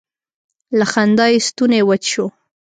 له خندا یې ستونی وچ شو.